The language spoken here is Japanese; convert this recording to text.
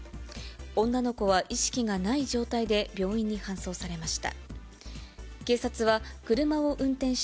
女の子は意識がない状態で病院に搬送されました。